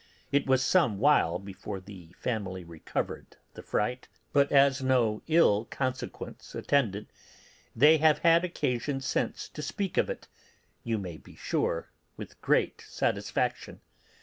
It was some while before the family recovered the fright, but as no ill consequence attended, they have had occasion since to speak of it (You may be sure) with great satisfaction.